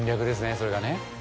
それがね。